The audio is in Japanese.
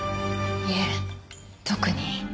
いえ特に。